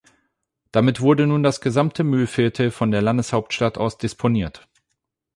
Damit wurde nun das gesamte Mühlviertel von der Landeshauptstadt aus disponiert.